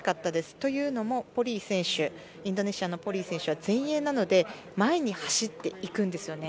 というのもインドネシアのポリイ選手は前衛なので前に走っていくんですね。